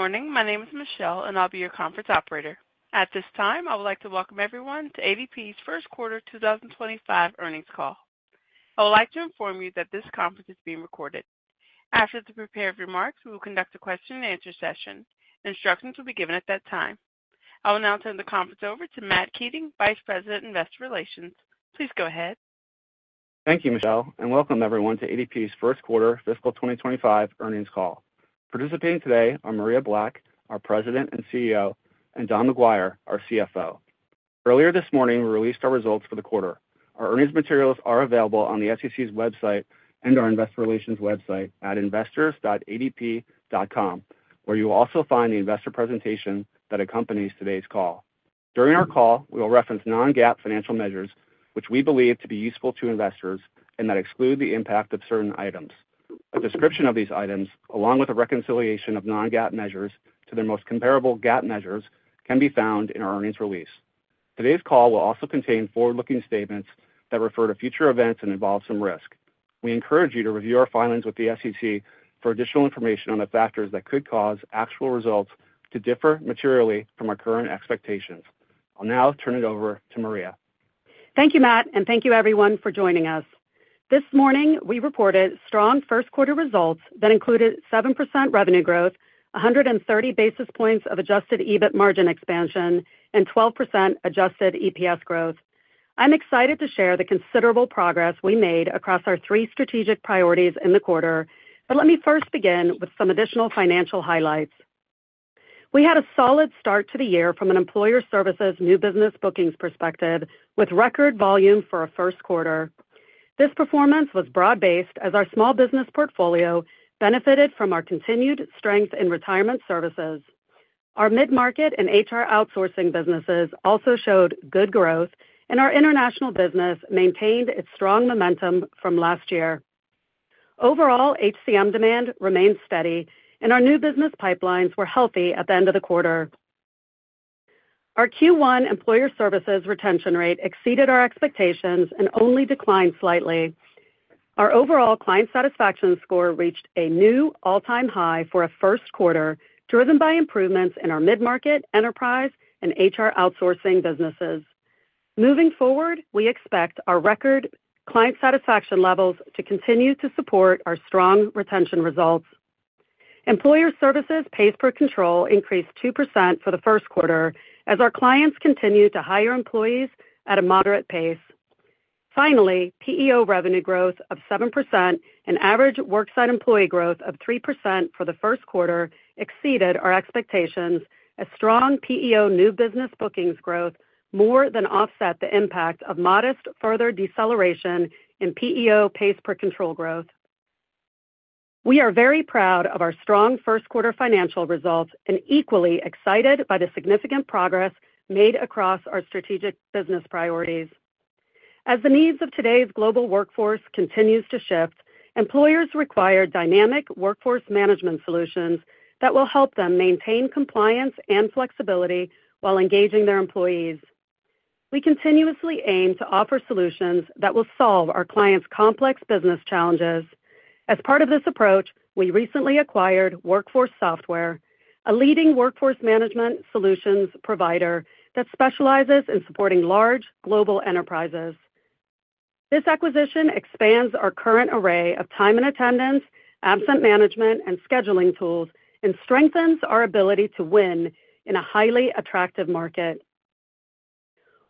Good morning. My name is Michelle, and I'll be your conference operator. At this time, I would like to welcome everyone to ADP's First Quarter 2025 Earnings Call. I would like to inform you that this conference is being recorded. After the prepared remarks, we will conduct a question-and-answer session. Instructions will be given at that time. I will now turn the conference over to Matt Keating, Vice President, Investor Relations. Please go ahead. Thank you, Michelle, and welcome everyone to ADP's first quarter fiscal 2025 earnings call. Participating today are Maria Black, our President and CEO, and Don McGuire, our CFO. Earlier this morning, we released our results for the quarter. Our earnings materials are available on the SEC's website and our investor relations website at investors.adp.com, where you will also find the investor presentation that accompanies today's call. During our call, we will reference non-GAAP financial measures, which we believe to be useful to investors and that exclude the impact of certain items. A description of these items, along with a reconciliation of non-GAAP measures to their most comparable GAAP measures, can be found in our earnings release. Today's call will also contain forward-looking statements that refer to future events and involve some risk. We encourage you to review our filings with the SEC for additional information on the factors that could cause actual results to differ materially from our current expectations. I'll now turn it over to Maria. Thank you, Matt, and thank you, everyone, for joining us. This morning, we reported strong first quarter results that included 7% revenue growth, 130 basis points of adjusted EBIT margin expansion, and 12% adjusted EPS growth. I'm excited to share the considerable progress we made across our three strategic priorities in the quarter, but let me first begin with some additional financial highlights. We had a solid start to the year from an employer services new business bookings perspective, with record volume for a first quarter. This performance was broad-based as our small business portfolio benefited from our continued strength in retirement services. Our mid-market and HR outsourcing businesses also showed good growth, and our international business maintained its strong momentum from last year. Overall, HCM demand remained steady, and our new business pipelines were healthy at the end of the quarter. Our Q1 Employer Services retention rate exceeded our expectations and only declined slightly. Our overall client satisfaction score reached a new all-time high for a first quarter, driven by improvements in our mid-market, enterprise, and HR outsourcing businesses. Moving forward, we expect our record client satisfaction levels to continue to support our strong retention results. Employer Services pay per control increased 2% for the first quarter as our clients continue to hire employees at a moderate pace. Finally, PEO revenue growth of 7% and average worksite employee growth of 3% for the first quarter exceeded our expectations, as strong PEO new business bookings growth more than offset the impact of modest further deceleration in PEO pay per control growth. We are very proud of our strong first quarter financial results and equally excited by the significant progress made across our strategic business priorities. As the needs of today's global workforce continue to shift, employers require dynamic workforce management solutions that will help them maintain compliance and flexibility while engaging their employees. We continuously aim to offer solutions that will solve our clients' complex business challenges. As part of this approach, we recently acquired WorkForce Software, a leading workforce management solutions provider that specializes in supporting large global enterprises. This acquisition expands our current array of time and attendance, absence management, and scheduling tools, and strengthens our ability to win in a highly attractive market.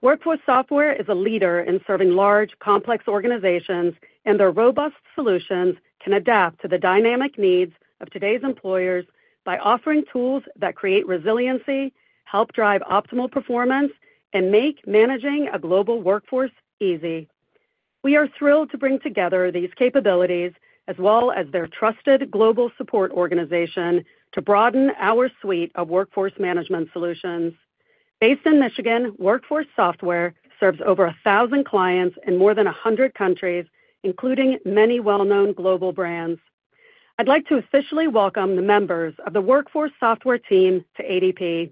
WorkForce Software is a leader in serving large, complex organizations, and their robust solutions can adapt to the dynamic needs of today's employers by offering tools that create resiliency, help drive optimal performance, and make managing a global workforce easy. We are thrilled to bring together these capabilities as well as their trusted global support organization to broaden our suite of workforce management solutions. Based in Michigan, WorkForce Software serves over 1,000 clients in more than 100 countries, including many well-known global brands. I'd like to officially welcome the members of the WorkForce Software team to ADP.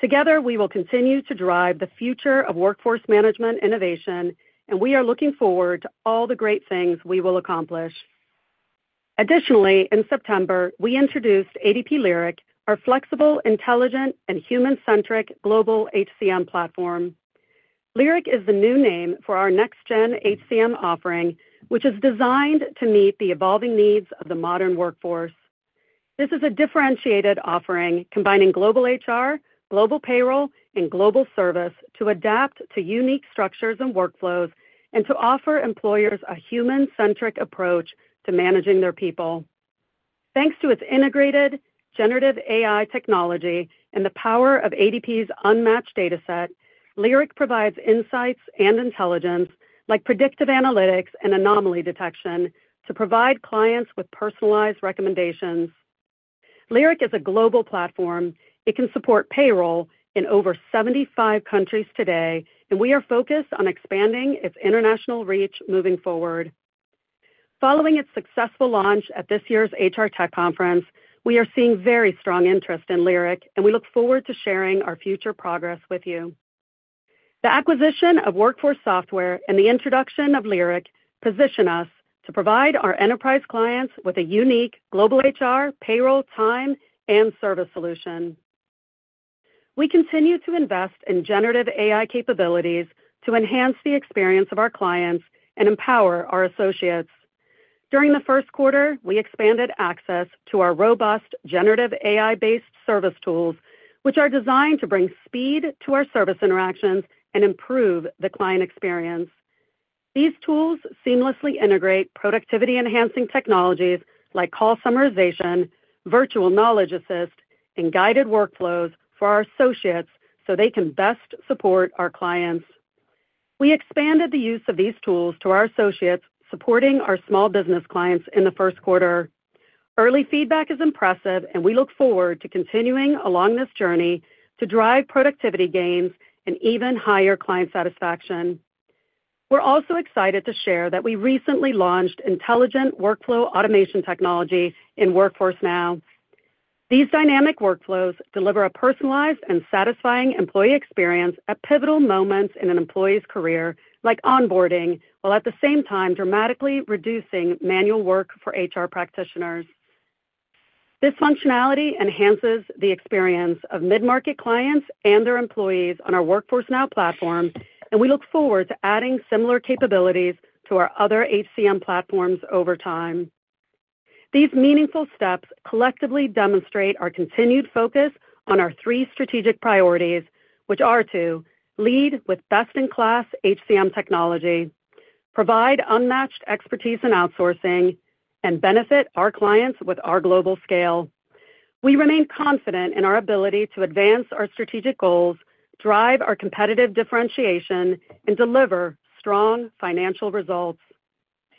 Together, we will continue to drive the future of workforce management innovation, and we are looking forward to all the great things we will accomplish. Additionally, in September, we introduced ADP Lyric, our flexible, intelligent, and human-centric global HCM platform. Lyric is the new name for our next-gen HCM offering, which is designed to meet the evolving needs of the modern workforce. This is a differentiated offering combining global HR, global payroll, and global service to adapt to unique structures and workflows and to offer employers a human-centric approach to managing their people. Thanks to its integrated generative AI technology and the power of ADP's unmatched data set, Lyric provides insights and intelligence like predictive analytics and anomaly detection to provide clients with personalized recommendations. Lyric is a global platform. It can support payroll in over 75 countries today, and we are focused on expanding its international reach moving forward. Following its successful launch at this year's HR Tech Conference, we are seeing very strong interest in Lyric, and we look forward to sharing our future progress with you. The acquisition of WorkForce Software and the introduction of Lyric position us to provide our enterprise clients with a unique global HR, payroll, time, and service solution. We continue to invest in generative AI capabilities to enhance the experience of our clients and empower our associates. During the first quarter, we expanded access to our robust generative AI-based service tools, which are designed to bring speed to our service interactions and improve the client experience. These tools seamlessly integrate productivity-enhancing technologies like call summarization, virtual knowledge assist, and guided workflows for our associates so they can best support our clients. We expanded the use of these tools to our associates, supporting our small business clients in the first quarter. Early feedback is impressive, and we look forward to continuing along this journey to drive productivity gains and even higher client satisfaction. We're also excited to share that we recently launched intelligent workflow automation technology in Workforce Now. These dynamic workflows deliver a personalized and satisfying employee experience at pivotal moments in an employee's career, like onboarding, while at the same time dramatically reducing manual work for HR practitioners. This functionality enhances the experience of mid-market clients and their employees on our Workforce Now platform, and we look forward to adding similar capabilities to our other HCM platforms over time. These meaningful steps collectively demonstrate our continued focus on our three strategic priorities, which are to lead with best-in-class HCM technology, provide unmatched expertise in outsourcing, and benefit our clients with our global scale. We remain confident in our ability to advance our strategic goals, drive our competitive differentiation, and deliver strong financial results.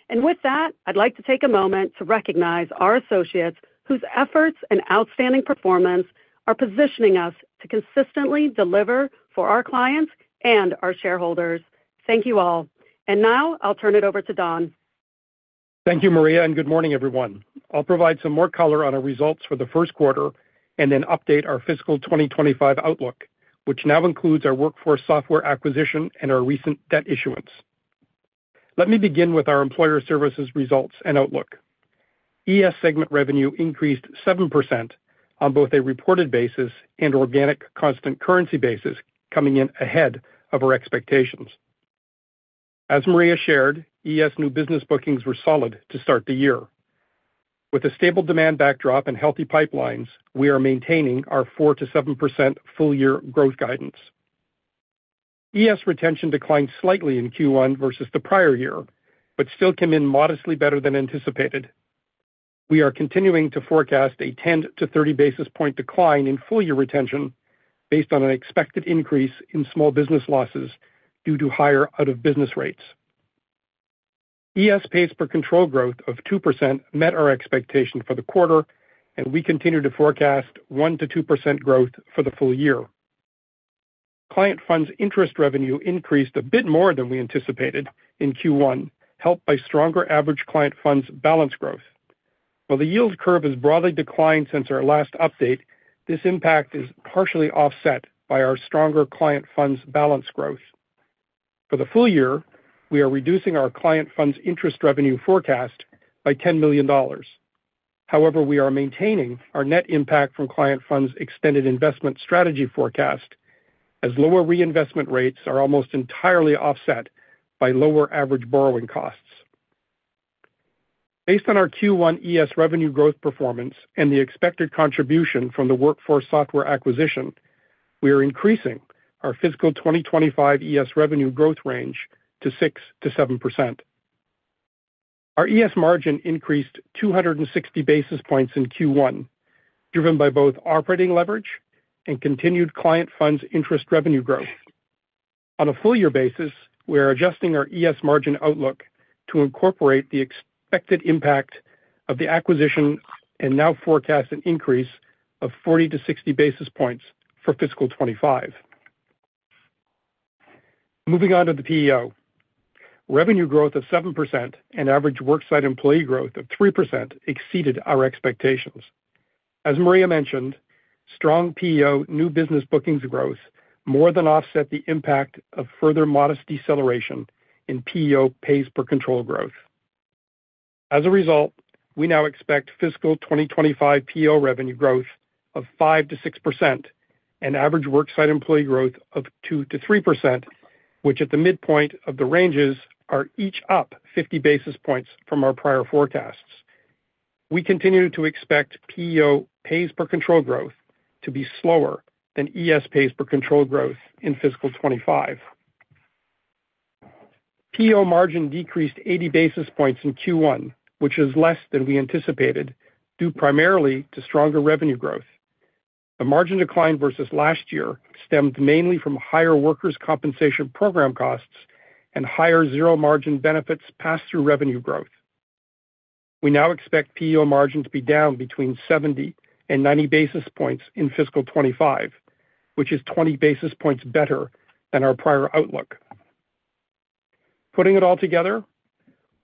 And with that, I'd like to take a moment to recognize our associates whose efforts and outstanding performance are positioning us to consistently deliver for our clients and our shareholders. Thank you all. And now I'll turn it over to Don. Thank you, Maria, and good morning, everyone. I'll provide some more color on our results for the first quarter and then update our fiscal 2025 outlook, which now includes our WorkForce Software acquisition and our recent debt issuance. Let me begin with our Employer Services results and outlook. ES segment revenue increased 7% on both a reported basis and organic constant currency basis, coming in ahead of our expectations. As Maria shared, ES new business bookings were solid to start the year. With a stable demand backdrop and healthy pipelines, we are maintaining our 4%-7% full-year growth guidance. ES retention declined slightly in Q1 versus the prior year, but still came in modestly better than anticipated. We are continuing to forecast a 10-30 basis points decline in full-year retention based on an expected increase in small business losses due to higher out-of-business rates. ES pay per control growth of 2% met our expectation for the quarter, and we continue to forecast 1%-2% growth for the full year. Client funds interest revenue increased a bit more than we anticipated in Q1, helped by stronger average client funds balance growth. While the yield curve has broadly declined since our last update, this impact is partially offset by our stronger client funds balance growth. For the full year, we are reducing our client funds interest revenue forecast by $10 million. However, we are maintaining our net impact from client funds extended investment strategy forecast as lower reinvestment rates are almost entirely offset by lower average borrowing costs. Based on our Q1 ES revenue growth performance and the expected contribution from the WorkForce Software acquisition, we are increasing our fiscal 2025 ES revenue growth range to 6%-7%. Our ES margin increased 260 basis points in Q1, driven by both operating leverage and continued client funds interest revenue growth. On a full-year basis, we are adjusting our ES margin outlook to incorporate the expected impact of the acquisition and now forecast an increase of 40 to 60 basis points for fiscal 2025. Moving on to the PEO, revenue growth of 7% and average worksite employee growth of 3% exceeded our expectations. As Maria mentioned, strong PEO new business bookings growth more than offset the impact of further modest deceleration in PEO pay per control growth. As a result, we now expect fiscal 2025 PEO revenue growth of 5%-6% and average worksite employee growth of 2%-3%, which at the midpoint of the ranges are each up 50 basis points from our prior forecasts. We continue to expect PEO pay per control growth to be slower than ES pay per control growth in fiscal 2025. PEO margin decreased 80 basis points in Q1, which is less than we anticipated due primarily to stronger revenue growth. The margin decline versus last year stemmed mainly from higher workers' compensation program costs and higher zero-margin benefits pass-through revenue growth. We now expect PEO margin to be down between 70 and 90 basis points in fiscal 2025, which is 20 basis points better than our prior outlook. Putting it all together,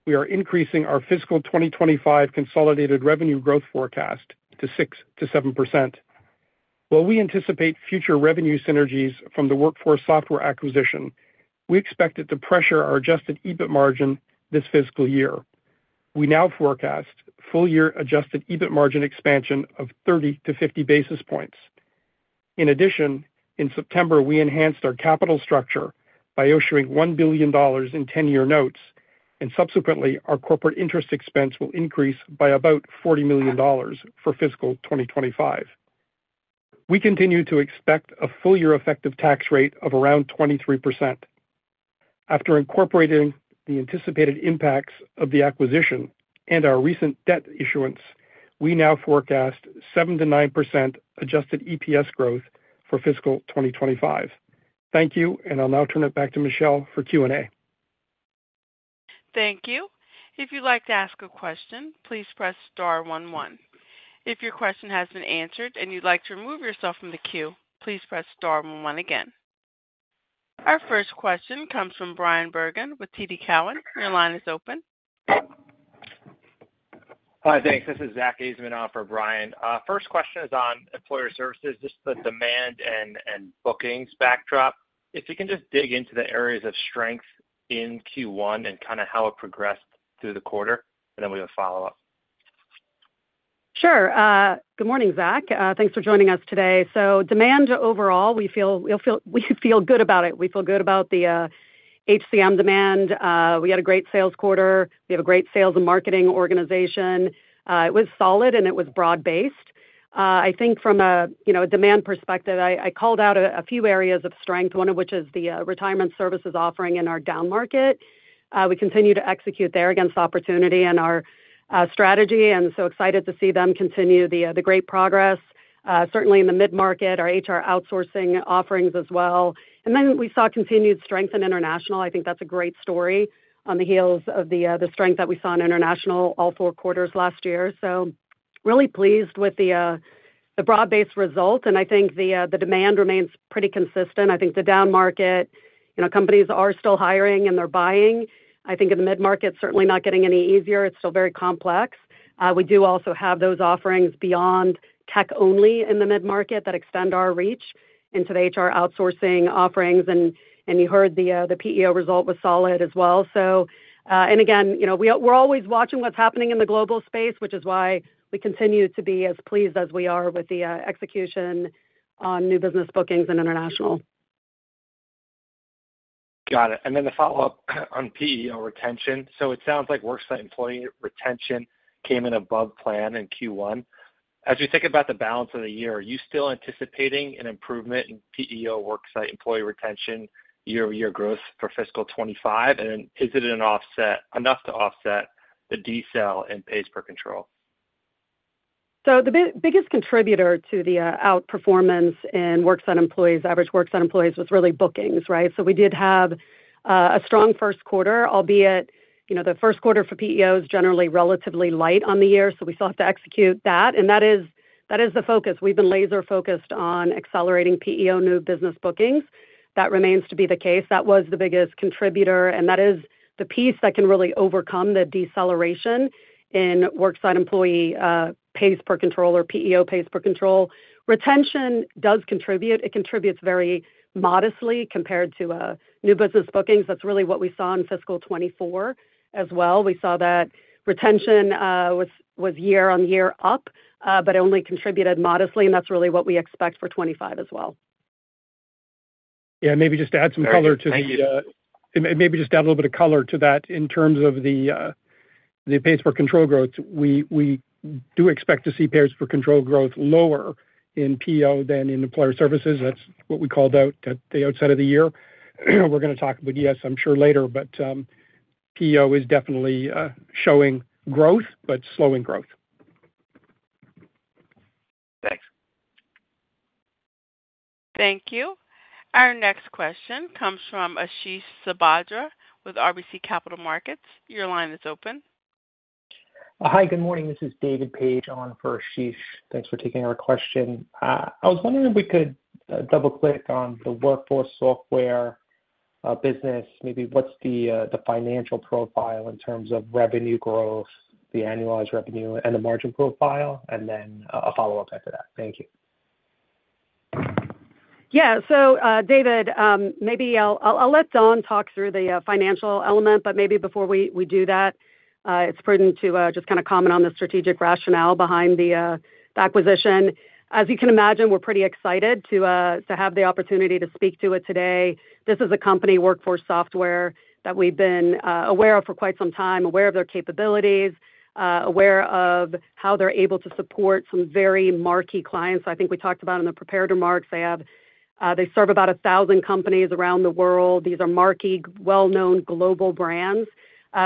we are increasing our fiscal 2025 consolidated revenue growth forecast to 6%-7%. While we anticipate future revenue synergies from the WorkForce Software acquisition, we expect it to pressure our adjusted EBIT margin this fiscal year. We now forecast full-year adjusted EBIT margin expansion of 30 to 50 basis points. In addition, in September, we enhanced our capital structure by issuing $1 billion in 10-year notes, and subsequently, our corporate interest expense will increase by about $40 million for fiscal 2025. We continue to expect a full-year effective tax rate of around 23%. After incorporating the anticipated impacts of the acquisition and our recent debt issuance, we now forecast 7%-9% adjusted EPS growth for fiscal 2025. Thank you, and I'll now turn it back to Michelle for Q&A. Thank you. If you'd like to ask a question, please press star one one. If your question has been answered and you'd like to remove yourself from the queue, please press star one one again. Our first question comes from Bryan Bergin with TD Cowen. Your line is open. Hi, thanks. This is Zack Ajzenman for Brian. First question is on Employer Services, just the demand and bookings backdrop. If you can just dig into the areas of strength in Q1 and kind of how it progressed through the quarter, and then we have a follow-up. Sure. Good morning, Zach. Thanks for joining us today. So demand overall, we feel good about it. We feel good about the HCM demand. We had a great sales quarter. We have a great sales and marketing organization. It was solid, and it was broad-based. I think from a demand perspective, I called out a few areas of strength, one of which is the retirement services offering in our down market. We continue to execute there against opportunity in our strategy and so excited to see them continue the great progress. Certainly in the mid-market, our HR outsourcing offerings as well. And then we saw continued strength in international. I think that's a great story on the heels of the strength that we saw in international all four quarters last year. So really pleased with the broad-based result, and I think the demand remains pretty consistent. I think the down market, companies are still hiring and they're buying. I think in the mid-market, certainly not getting any easier. It's still very complex. We do also have those offerings beyond tech-only in the mid-market that extend our reach into the HR outsourcing offerings, and you heard the PEO result was solid as well, and again, we're always watching what's happening in the global space, which is why we continue to be as pleased as we are with the execution on new business bookings and international. Got it. And then the follow-up on PEO retention. So it sounds like worksite employee retention came in above plan in Q1. As we think about the balance of the year, are you still anticipating an improvement in PEO worksite employee retention year-over-year growth for fiscal 2025? And then is it enough to offset the decel and pay per control? So the biggest contributor to the outperformance in worksite employees, average worksite employees, was really bookings, right? So we did have a strong first quarter, albeit the first quarter for PEOs generally relatively light on the year, so we still have to execute that. And that is the focus. We've been laser-focused on accelerating PEO new business bookings. That remains to be the case. That was the biggest contributor, and that is the piece that can really overcome the deceleration in worksite employee pay per control or PEO pay per control. Retention does contribute. It contributes very modestly compared to new business bookings. That's really what we saw in fiscal 2024 as well. We saw that retention was year-on-year up, but it only contributed modestly, and that's really what we expect for 2025 as well. Yeah, maybe just add some color to that. Maybe just add a little bit of color to that in terms of the pay per control growth. We do expect to see pay per control growth lower in PEO than in employer services. That's what we called out at the outset of the year. We're going to talk about ES, I'm sure, later, but PEO is definitely showing growth, but slowing growth. Thanks. Thank you. Our next question comes from Ashish Sabadra with RBC Capital Markets. Your line is open. Hi, good morning. This is David Page on for Ashish. Thanks for taking our question. I was wondering if we could double-click on the WorkForce Software business, maybe what's the financial profile in terms of revenue growth, the annualized revenue, and the margin profile, and then a follow-up after that. Thank you. Yeah. So David, maybe I'll let Don talk through the financial element, but maybe before we do that, it's prudent to just kind of comment on the strategic rationale behind the acquisition. As you can imagine, we're pretty excited to have the opportunity to speak to it today. This is a company, Workforce Software, that we've been aware of for quite some time, aware of their capabilities, aware of how they're able to support some very marquee clients. I think we talked about in the prepared remarks, they serve about 1,000 companies around the world. These are marquee, well-known global brands.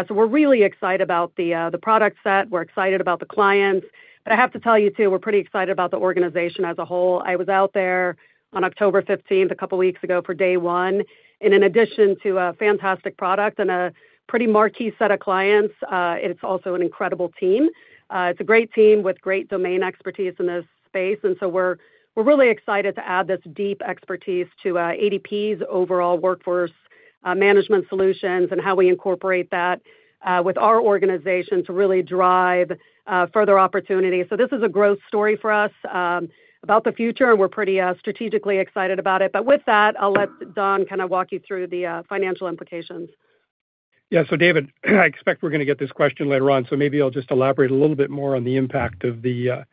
So we're really excited about the product set. We're excited about the clients. But I have to tell you too, we're pretty excited about the organization as a whole. I was out there on October 15th, a couple of weeks ago for day one. And in addition to a fantastic product and a pretty marquee set of clients, it's also an incredible team. It's a great team with great domain expertise in this space. And so we're really excited to add this deep expertise to ADP's overall workforce management solutions and how we incorporate that with our organization to really drive further opportunity. So this is a growth story for us about the future, and we're pretty strategically excited about it. But with that, I'll let Don kind of walk you through the financial implications. Yeah. So David, I expect we're going to get this question later on, so maybe I'll just elaborate a little bit more on the impact of the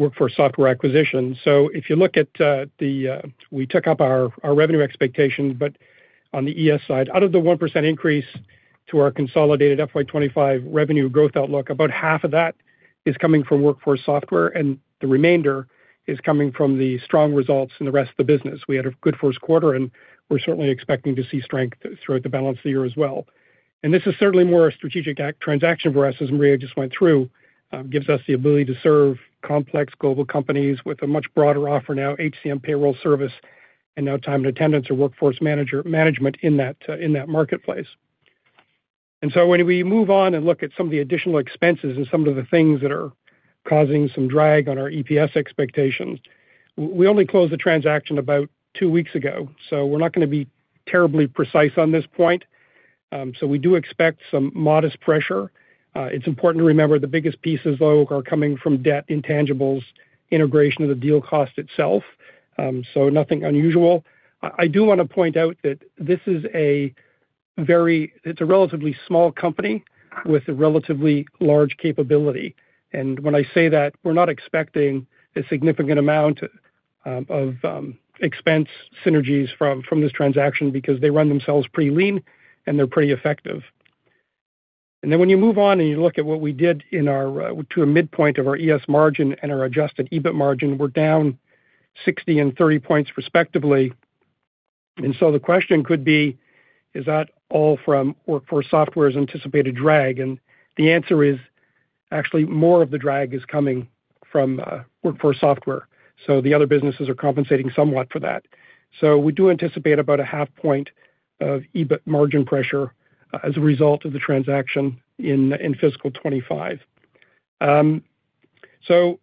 WorkForce Software acquisition. So if you look at the, we took up our revenue expectation, but on the ES side, out of the 1% increase to our consolidated FY 2025 revenue growth outlook, about half of that is coming from WorkForce Software, and the remainder is coming from the strong results in the rest of the business. We had a good first quarter, and we're certainly expecting to see strength throughout the balance of the year as well. And this is certainly more a strategic transaction for us, as Maria just went through, gives us the ability to serve complex global companies with a much broader offer now, HCM payroll service, and now time and attendance or workforce management in that marketplace. And so when we move on and look at some of the additional expenses and some of the things that are causing some drag on our EPS expectations, we only closed the transaction about two weeks ago, so we're not going to be terribly precise on this point. So we do expect some modest pressure. It's important to remember the biggest pieces, though, are coming from debt, intangibles, integration of the deal cost itself, so nothing unusual. I do want to point out that this is a very, it's a relatively small company with a relatively large capability. And when I say that, we're not expecting a significant amount of expense synergies from this transaction because they run themselves pretty lean, and they're pretty effective. Then when you move on and you look at what we did to a midpoint of our ES margin and our adjusted EBIT margin, we're down 60 and 30 points respectively. So the question could be, is that all from WorkForce Software's anticipated drag? And the answer is actually more of the drag is coming from WorkForce Software. So the other businesses are compensating somewhat for that. So we do anticipate about a half point of EBIT margin pressure as a result of the transaction in fiscal 2025. So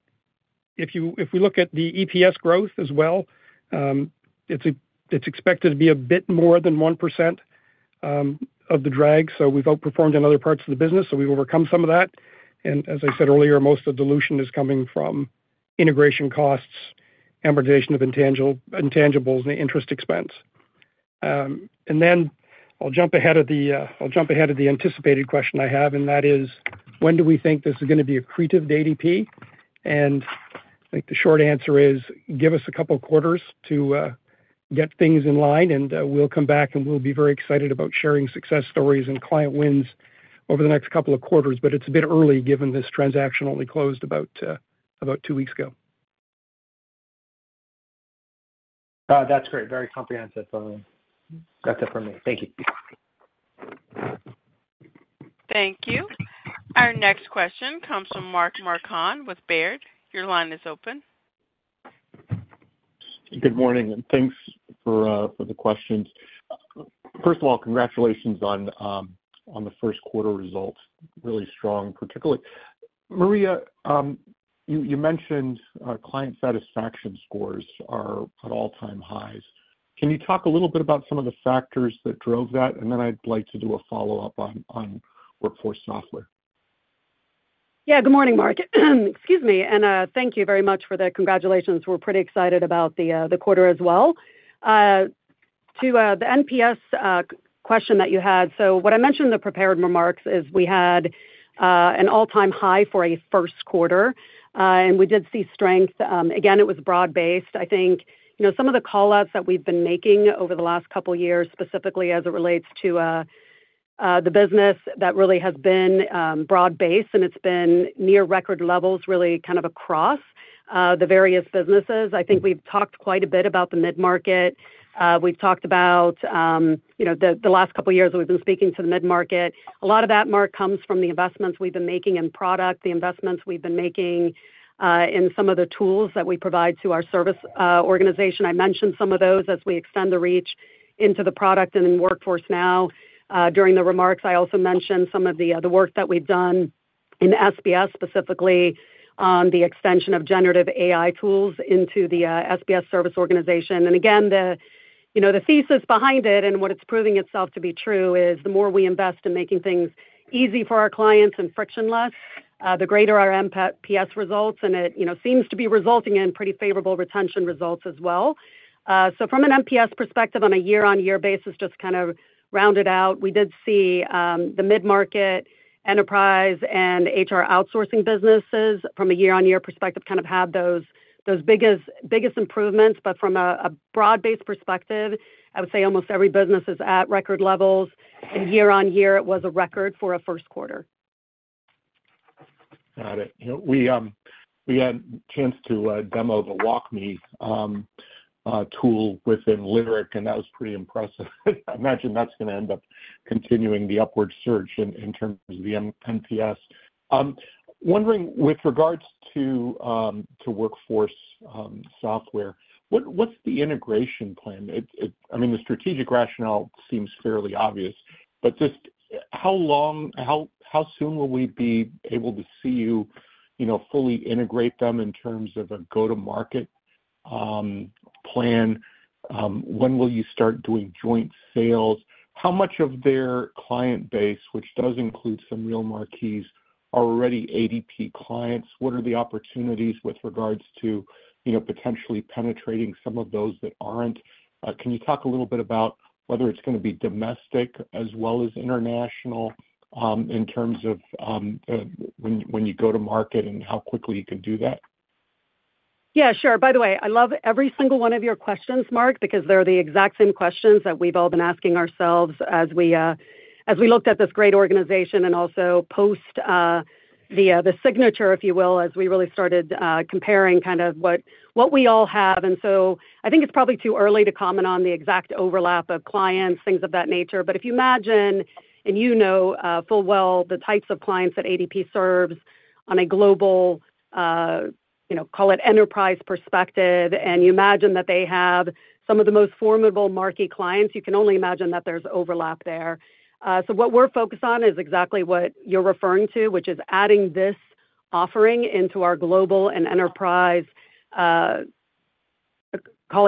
if we look at the EPS growth as well, it's expected to be a bit more than 1% of the drag. So we've outperformed in other parts of the business, so we've overcome some of that. And as I said earlier, most of the dilution is coming from integration costs, amortization of intangibles, and interest expense. And then I'll jump ahead of the anticipated question I have, and that is, when do we think this is going to be accretive to ADP? And I think the short answer is give us a couple of quarters to get things in line, and we'll come back and we'll be very excited about sharing success stories and client wins over the next couple of quarters, but it's a bit early given this transaction only closed about two weeks ago. That's great. Very comprehensive. That's it for me. Thank you. Thank you. Our next question comes from Mark Marcon with Baird. Your line is open. Good morning, and thanks for the questions. First of all, congratulations on the first quarter results. Really strong, particularly. Maria, you mentioned client satisfaction scores are at all-time highs. Can you talk a little bit about some of the factors that drove that? And then I'd like to do a follow-up on WorkForce Software. Yeah. Good morning, Mark. Excuse me, and thank you very much for the congratulations. We're pretty excited about the quarter as well. To the NPS question that you had, so what I mentioned in the prepared remarks is we had an all-time high for a first quarter, and we did see strength. Again, it was broad-based. I think some of the callouts that we've been making over the last couple of years, specifically as it relates to the business, that really has been broad-based, and it's been near record levels, really kind of across the various businesses. I think we've talked quite a bit about the mid-market. We've talked about the last couple of years we've been speaking to the mid-market. A lot of that, Mark, comes from the investments we've been making in product, the investments we've been making in some of the tools that we provide to our service organization. I mentioned some of those, as we extend the reach into the product and in Workforce Now. During the remarks, I also mentioned some of the work that we've done in SBS, specifically on the extension of generative AI tools into the SBS service organization, and again, the thesis behind it and what it's proving itself to be true is the more we invest in making things easy for our clients and frictionless, the greater our NPS results, and it seems to be resulting in pretty favorable retention results as well. So, from an NPS perspective, on a year-on-year basis, just kind of rounded out, we did see the mid-market enterprise and HR outsourcing businesses from a year-on-year perspective kind of have those biggest improvements. But from a broad-based perspective, I would say almost every business is at record levels, and year-on-year, it was a record for a first quarter. Got it. We had a chance to demo the WalkMe tool within Lyric, and that was pretty impressive. I imagine that's going to end up continuing the upward surge in terms of the NPS. Wondering, with regards to Workforce Software, what's the integration plan? I mean, the strategic rationale seems fairly obvious, but just how soon will we be able to see you fully integrate them in terms of a go-to-market plan? When will you start doing joint sales? How much of their client base, which does include some real marquees, are already ADP clients? What are the opportunities with regards to potentially penetrating some of those that aren't? Can you talk a little bit about whether it's going to be domestic as well as international in terms of when you go to market and how quickly you can do that? Yeah, sure. By the way, I love every single one of your questions, Mark, because they're the exact same questions that we've all been asking ourselves as we looked at this great organization and also post the signature, if you will, as we really started comparing kind of what we all have. And so I think it's probably too early to comment on the exact overlap of clients, things of that nature. But if you imagine, and you know full well the types of clients that ADP serves on a global, call it enterprise perspective, and you imagine that they have some of the most formidable marquee clients, you can only imagine that there's overlap there. So what we're focused on is exactly what you're referring to, which is adding this offering into our global and enterprise, call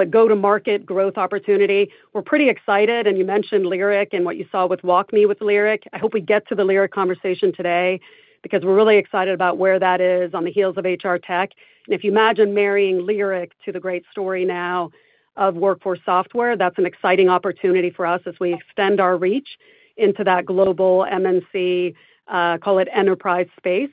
it go-to-market growth opportunity. We're pretty excited. And you mentioned Lyric and what you saw with WalkMe with Lyric. I hope we get to the Lyric conversation today because we're really excited about where that is on the heels of HR tech. And if you imagine marrying Lyric to the great story now of WorkForce Software, that's an exciting opportunity for us as we extend our reach into that global MNC, call it enterprise space.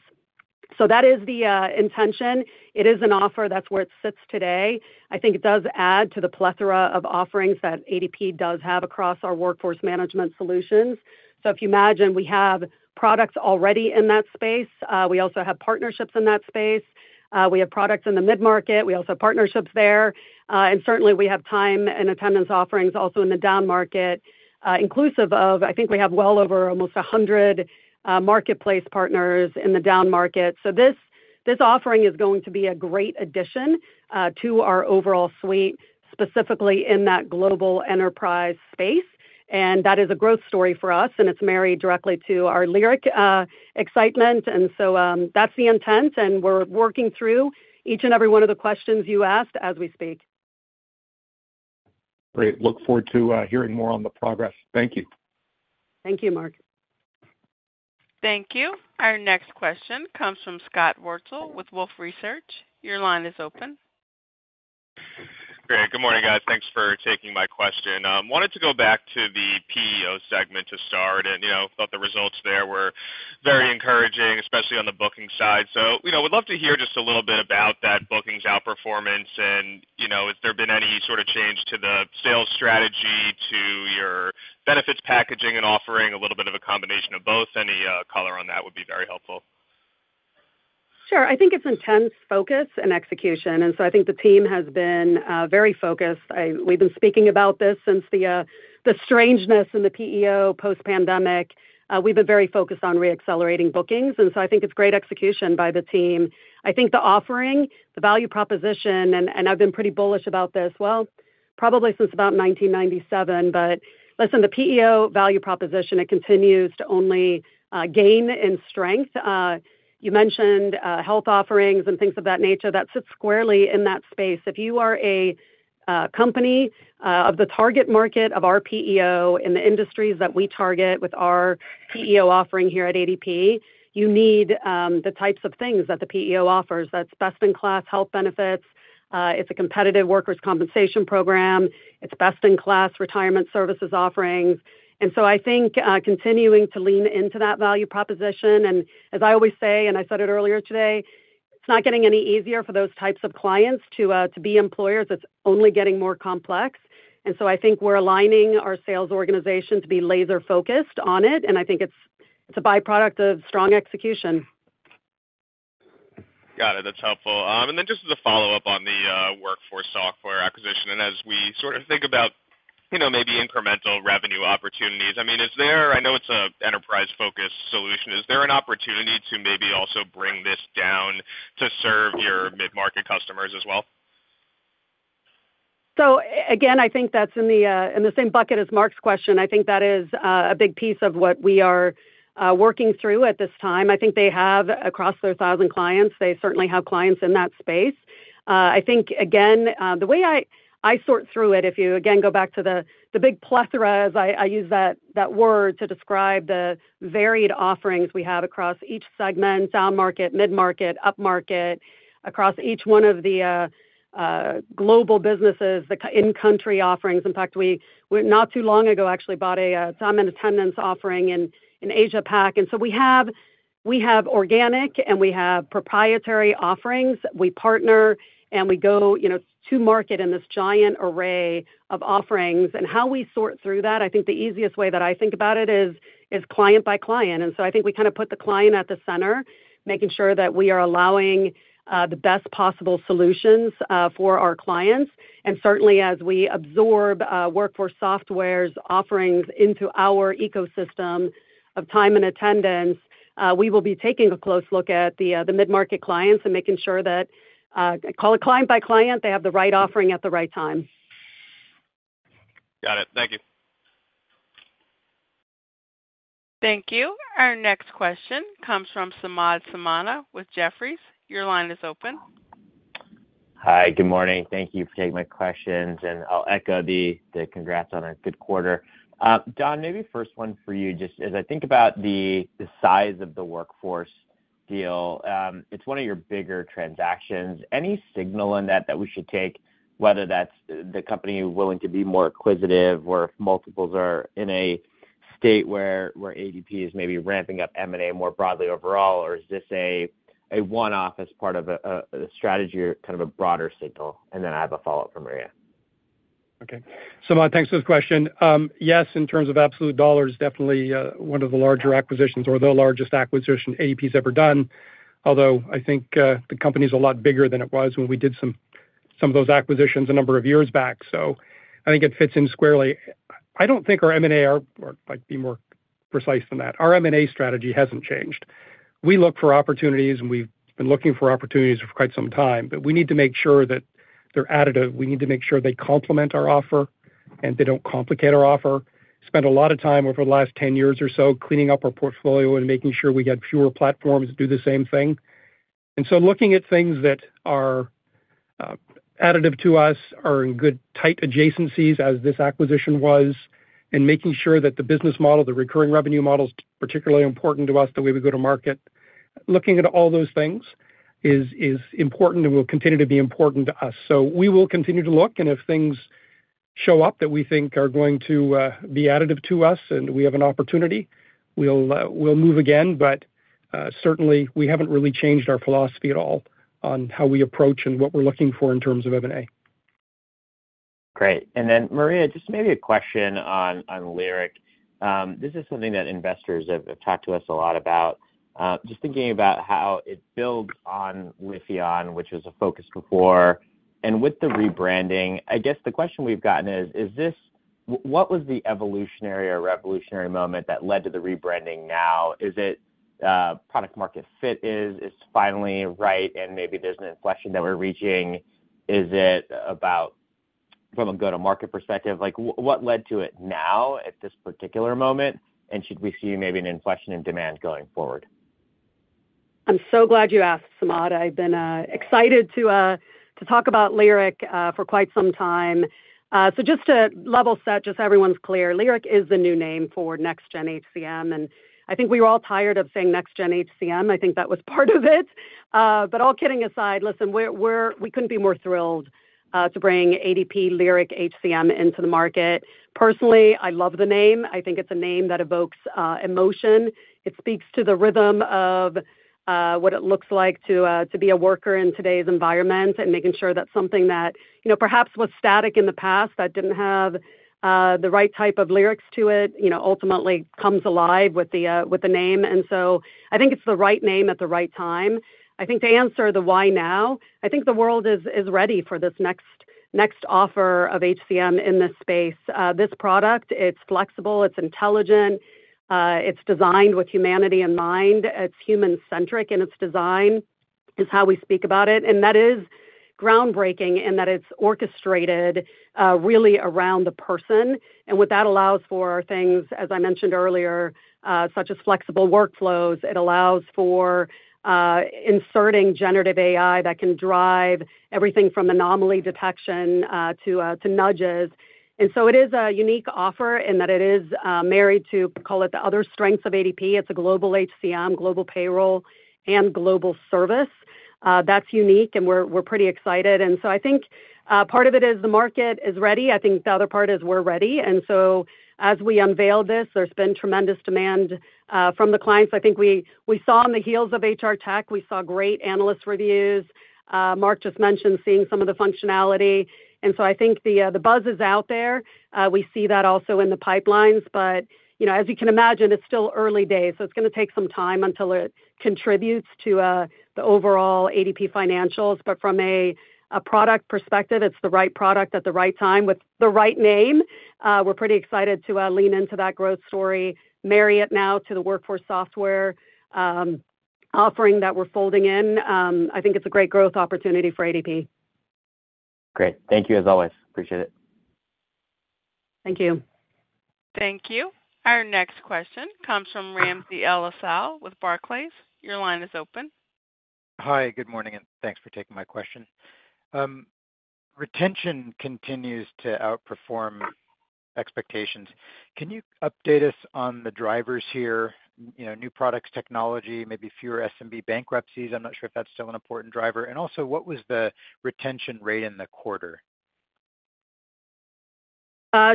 So that is the intention. It is an offer. That's where it sits today. I think it does add to the plethora of offerings that ADP does have across our workforce management solutions. So if you imagine, we have products already in that space. We also have partnerships in that space. We have products in the mid-market. We also have partnerships there. And certainly, we have time and attendance offerings also in the down market, inclusive of, I think we have well over almost 100 marketplace partners in the down market. So this offering is going to be a great addition to our overall suite, specifically in that global enterprise space. And that is a growth story for us, and it's married directly to our Lyric excitement. And so that's the intent, and we're working through each and every one of the questions you asked as we speak. Great. Look forward to hearing more on the progress. Thank you. Thank you, Mark. Thank you. Our next question comes from Scott Wurtzel with Wolfe Research. Your line is open. Great. Good morning, guys. Thanks for taking my question. Wanted to go back to the PEO segment to start and thought the results there were very encouraging, especially on the booking side. So we'd love to hear just a little bit about that booking's outperformance. And has there been any sort of change to the sales strategy, to your benefits packaging and offering, a little bit of a combination of both? Any color on that would be very helpful. Sure. I think it's intense focus and execution. And so I think the team has been very focused. We've been speaking about this since the strangeness in the PEO post-pandemic. We've been very focused on re-accelerating bookings. And so I think it's great execution by the team. I think the offering, the value proposition, and I've been pretty bullish about this, well, probably since about 1997. But listen, the PEO value proposition, it continues to only gain in strength. You mentioned health offerings and things of that nature. That sits squarely in that space. If you are a company of the target market of our PEO in the industries that we target with our PEO offering here at ADP, you need the types of things that the PEO offers. That's best-in-class health benefits. It's a competitive workers' compensation program. It's best-in-class retirement services offerings. And so I think continuing to lean into that value proposition. And as I always say, and I said it earlier today, it's not getting any easier for those types of clients to be employers. It's only getting more complex. And so I think we're aligning our sales organization to be laser-focused on it, and I think it's a byproduct of strong execution. Got it. That's helpful. And then just as a follow-up on the WorkForce Software acquisition, and as we sort of think about maybe incremental revenue opportunities, I mean, is there - I know it's an enterprise-focused solution - is there an opportunity to maybe also bring this down to serve your mid-market customers as well? So again, I think that's in the same bucket as Mark's question. I think that is a big piece of what we are working through at this time. I think they have across their thousand clients. They certainly have clients in that space. I think, again, the way I sort through it, if you again go back to the big plethora, as I use that word to describe the varied offerings we have across each segment: down market, mid-market, up market, across each one of the global businesses, the in-country offerings. In fact, we not too long ago actually bought a time and attendance offering in Asia-Pac. And so we have organic, and we have proprietary offerings. We partner, and we go to market in this giant array of offerings. And how we sort through that, I think the easiest way that I think about it is client by client. And so I think we kind of put the client at the center, making sure that we are allowing the best possible solutions for our clients. And certainly, as we absorb WorkForce Software's offerings into our ecosystem of time and attendance, we will be taking a close look at the mid-market clients and making sure that, call it client by client, they have the right offering at the right time. Got it. Thank you. Thank you. Our next question comes from Samad Samana with Jefferies. Your line is open. Hi. Good morning. Thank you for taking my questions. And I'll echo the congrats on a good quarter. Don, maybe first one for you. Just as I think about the size of the workforce deal, it's one of your bigger transactions. Any signal in that that we should take, whether that's the company willing to be more acquisitive or if multiples are in a state where ADP is maybe ramping up M&A more broadly overall, or is this a one-off as part of a strategy or kind of a broader signal? And then I have a follow-up from Maria. Okay. Samad, thanks for the question. Yes, in terms of absolute dollars, definitely one of the larger acquisitions or the largest acquisition ADP's ever done, although I think the company's a lot bigger than it was when we did some of those acquisitions a number of years back. So I think it fits in squarely. I don't think our M&A, or be more precise than that, our M&A strategy hasn't changed. We look for opportunities, and we've been looking for opportunities for quite some time, but we need to make sure that they're additive. We need to make sure they complement our offer and they don't complicate our offer. Spent a lot of time over the last 10 years or so cleaning up our portfolio and making sure we had fewer platforms to do the same thing. And so, looking at things that are additive to us, are in good tight adjacencies as this acquisition was, and making sure that the business model, the recurring revenue model's particularly important to us the way we go to market. Looking at all those things is important and will continue to be important to us. So we will continue to look, and if things show up that we think are going to be additive to us and we have an opportunity, we'll move again. But certainly, we haven't really changed our philosophy at all on how we approach and what we're looking for in terms of M&A. Great. And then, Maria, just maybe a question on Lyric. This is something that investors have talked to us a lot about. Just thinking about how it builds on Lifion, which was a focus before. And with the rebranding, I guess the question we've gotten is, what was the evolutionary or revolutionary moment that led to the rebranding now? Is it product-market fit is finally right, and maybe there's an inflection that we're reaching? Is it about, from a go-to-market perspective, what led to it now at this particular moment? And should we see maybe an inflection in demand going forward? I'm so glad you asked, Samad. I've been excited to talk about Lyric for quite some time. So just to level set, just so everyone's clear, Lyric is the new name for Next Gen HCM. And I think we were all tired of saying Next Gen HCM. I think that was part of it. But all kidding aside, listen, we couldn't be more thrilled to bring ADP Lyric HCM into the market. Personally, I love the name. I think it's a name that evokes emotion. It speaks to the rhythm of what it looks like to be a worker in today's environment and making sure that something that perhaps was static in the past that didn't have the right type of lyrics to it ultimately comes alive with the name. And so I think it's the right name at the right time. I think to answer the why now, I think the world is ready for this next offer of HCM in this space. This product, it's flexible, it's intelligent, it's designed with humanity in mind, it's human-centric in its design, is how we speak about it. And that is groundbreaking in that it's orchestrated really around the person. And what that allows for are things, as I mentioned earlier, such as flexible workflows. It allows for inserting generative AI that can drive everything from anomaly detection to nudges. And so it is a unique offer in that it is married to, call it the other strengths of ADP. It's a global HCM, global payroll, and global service. That's unique, and we're pretty excited. And so I think part of it is the market is ready. I think the other part is we're ready. And so as we unveil this, there's been tremendous demand from the clients. I think we saw on the heels of HR Tech, we saw great analyst reviews. Mark just mentioned seeing some of the functionality. And so I think the buzz is out there. We see that also in the pipelines. But as you can imagine, it's still early days. So it's going to take some time until it contributes to the overall ADP financials. But from a product perspective, it's the right product at the right time with the right name. We're pretty excited to lean into that growth story, marry it now to the WorkForce Software offering that we're folding in. I think it's a great growth opportunity for ADP. Great. Thank you as always. Appreciate it. Thank you. Thank you. Our next question comes from Ramsey El-Assal with Barclays. Your line is open. Hi. Good morning, and thanks for taking my question. Retention continues to outperform expectations. Can you update us on the drivers here? New products, technology, maybe fewer SMB bankruptcies. I'm not sure if that's still an important driver. And also, what was the retention rate in the quarter?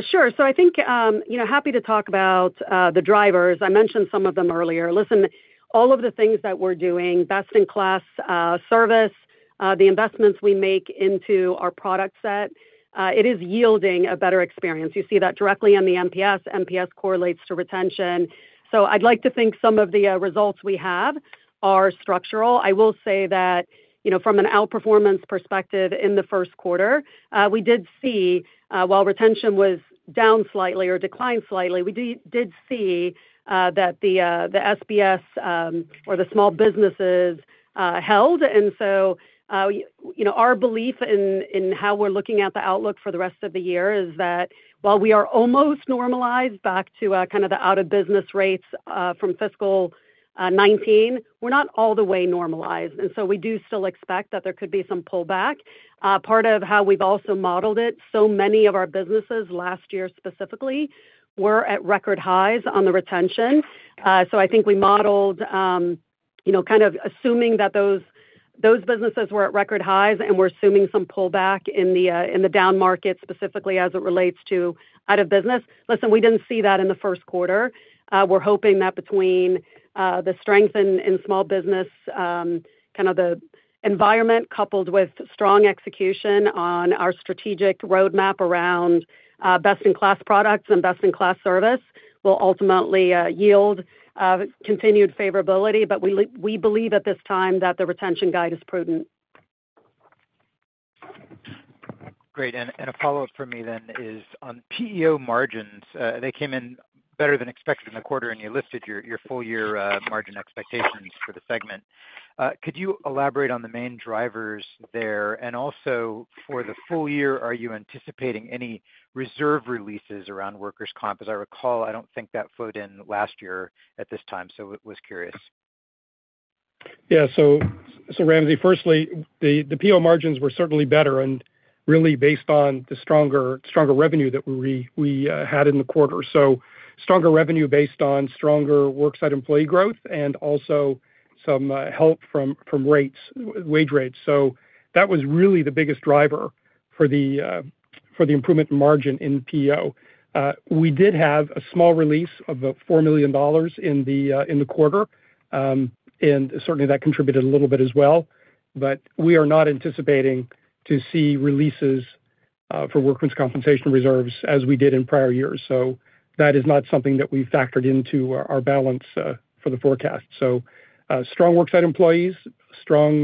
Sure. So I think I'm happy to talk about the drivers. I mentioned some of them earlier. Listen, all of the things that we're doing, best-in-class service, the investments we make into our product set, it is yielding a better experience. You see that directly on the NPS. NPS correlates to retention. So I'd like to think some of the results we have are structural. I will say that from an outperformance perspective in the first quarter, we did see, while retention was down slightly or declined slightly, we did see that the SBS or the small businesses held. And so our belief in how we're looking at the outlook for the rest of the year is that while we are almost normalized back to kind of the out-of-business rates from fiscal 2019, we're not all the way normalized. And so we do still expect that there could be some pullback. Part of how we've also modeled it, so many of our businesses last year specifically were at record highs on the retention. So I think we modeled kind of assuming that those businesses were at record highs, and we're assuming some pullback in the down market specifically as it relates to out-of-business. Listen, we didn't see that in the first quarter. We're hoping that between the strength in small business, kind of the environment coupled with strong execution on our strategic roadmap around best-in-class products and best-in-class service will ultimately yield continued favorability. But we believe at this time that the retention guide is prudent. Great, and a follow-up for me then is on PEO margins. They came in better than expected in the quarter, and you listed your full-year margin expectations for the segment. Could you elaborate on the main drivers there? And also, for the full year, are you anticipating any reserve releases around workers' comp? As I recall, I don't think that flowed in last year at this time, so I was curious. Yeah. So Ramsey, firstly, the PEO margins were certainly better and really based on the stronger revenue that we had in the quarter. So stronger revenue based on stronger worksite employee growth and also some help from wage rates. So that was really the biggest driver for the improvement margin in PEO. We did have a small release of $4 million in the quarter, and certainly that contributed a little bit as well. But we are not anticipating to see releases for workers' compensation reserves as we did in prior years. So that is not something that we've factored into our balance for the forecast. So strong worksite employees, strong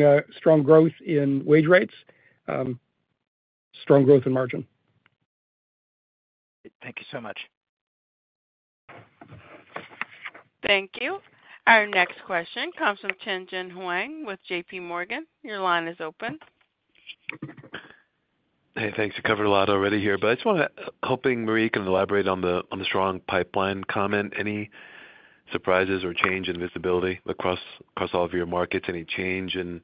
growth in wage rates, strong growth in margin. Thank you so much. Thank you. Our next question comes from Tien-Tsin Huang with JPMorgan. Your line is open. Hey, thanks. You covered a lot already here, but I just want to hope Maria can elaborate on the strong pipeline comment. Any surprises or change in visibility across all of your markets? Any change in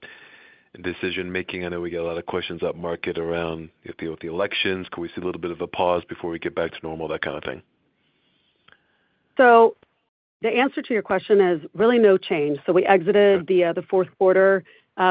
decision-making? I know we get a lot of questions up market around the elections. Could we see a little bit of a pause before we get back to normal, that kind of thing? So the answer to your question is really no change. So we exited the fourth quarter.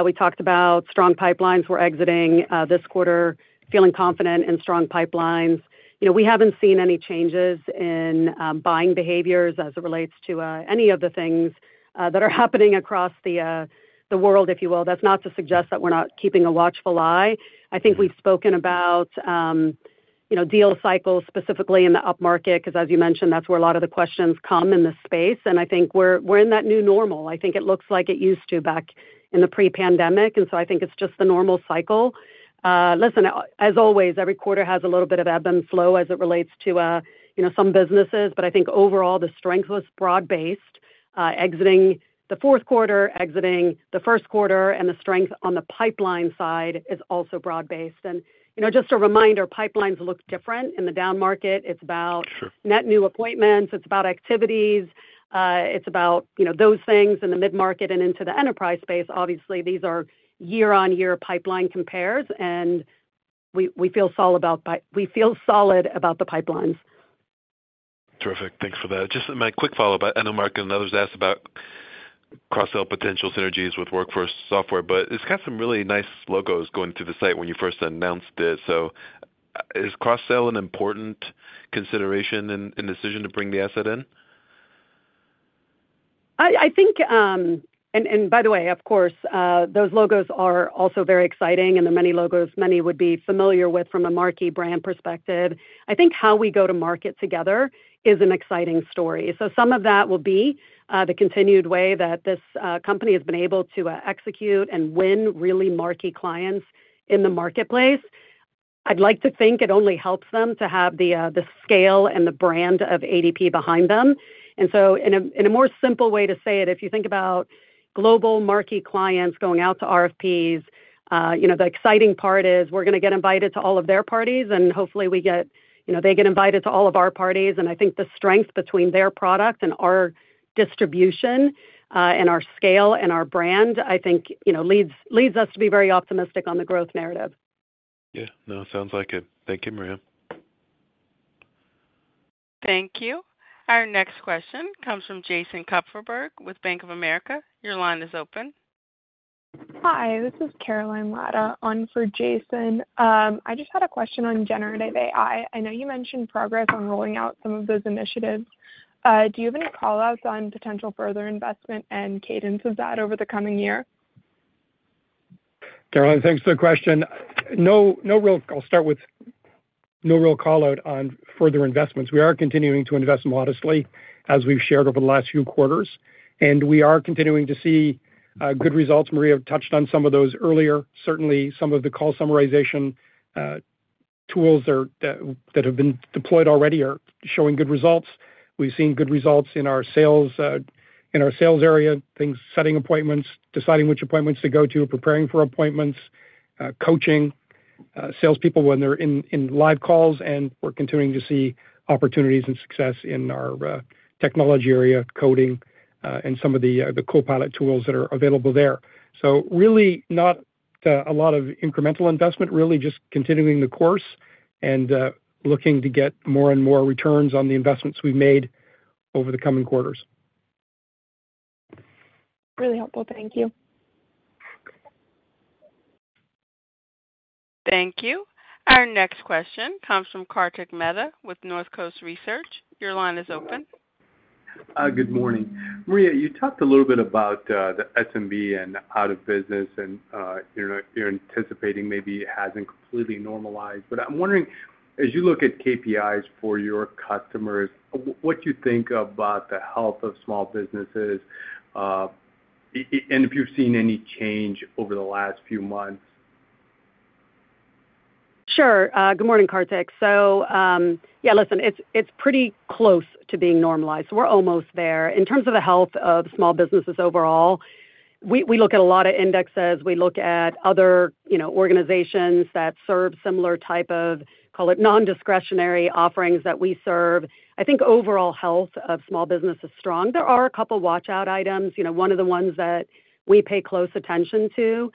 We talked about strong pipelines. We're exiting this quarter, feeling confident in strong pipelines. We haven't seen any changes in buying behaviors as it relates to any of the things that are happening across the world, if you will. That's not to suggest that we're not keeping a watchful eye. I think we've spoken about deal cycles specifically in the up market because, as you mentioned, that's where a lot of the questions come in this space. And I think we're in that new normal. I think it looks like it used to back in the pre-pandemic. And so I think it's just the normal cycle. Listen, as always, every quarter has a little bit of ebb and flow as it relates to some businesses. But I think overall, the strength was broad-based. Exiting the fourth quarter, exiting the first quarter, and the strength on the pipeline side is also broad-based. And just a reminder, pipelines look different in the down market. It's about net new appointments. It's about activities. It's about those things in the mid-market and into the enterprise space. Obviously, these are year-on-year pipeline compares, and we feel solid about the pipelines. Terrific. Thanks for that. Just my quick follow-up. I know Mark and others asked about cross-sale potential synergies with WorkForce Software, but it's got some really nice logos going through the site when you first announced it. So is cross-sale an important consideration in the decision to bring the asset in? I think, and by the way, of course, those logos are also very exciting, and there are many logos many would be familiar with from a marquee brand perspective. I think how we go to market together is an exciting story. So some of that will be the continued way that this company has been able to execute and win really marquee clients in the marketplace. I'd like to think it only helps them to have the scale and the brand of ADP behind them. And so in a more simple way to say it, if you think about global marquee clients going out to RFPs, the exciting part is we're going to get invited to all of their parties, and hopefully they get invited to all of our parties. I think the strength between their product and our distribution and our scale and our brand, I think, leads us to be very optimistic on the growth narrative. Yeah. No, sounds like it. Thank you, Maria. Thank you. Our next question comes from Jason Kupferberg with Bank of America. Your line is open. Hi. This is Caroline Latta on for Jason. I just had a question on generative AI. I know you mentioned progress on rolling out some of those initiatives. Do you have any callouts on potential further investment and cadence of that over the coming year? Caroline, thanks for the question. I'll start with no real callout on further investments. We are continuing to invest modestly, as we've shared over the last few quarters. We are continuing to see good results. Maria touched on some of those earlier. Certainly, some of the call summarization tools that have been deployed already are showing good results. We've seen good results in our sales area, setting appointments, deciding which appointments to go to, preparing for appointments, coaching salespeople when they're in live calls. We're continuing to see opportunities and success in our technology area, coding, and some of the Copilot tools that are available there. So really not a lot of incremental investment, really just continuing the course and looking to get more and more returns on the investments we've made over the coming quarters. Really helpful. Thank you. Thank you. Our next question comes from Kartik Mehta with Northcoast Research. Your line is open. Good morning. Maria, you talked a little bit about the SMB and out of business, and you're anticipating maybe it hasn't completely normalized. But I'm wondering, as you look at KPIs for your customers, what do you think about the health of small businesses and if you've seen any change over the last few months? Sure. Good morning, Kartik. So yeah, listen, it's pretty close to being normalized. We're almost there. In terms of the health of small businesses overall, we look at a lot of indexes. We look at other organizations that serve similar type of, call it, non-discretionary offerings that we serve. I think overall health of small business is strong. There are a couple of watch-out items. One of the ones that we pay close attention to